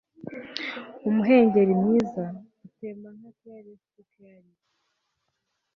umuhengeri mwiza, utemba nka caress to caress